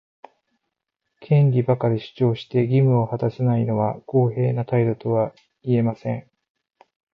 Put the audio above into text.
権利ばかり主張して、義務を果たさないのは公平な態度とは言えません。